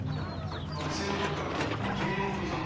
「学生の時から」って君のおふくろさん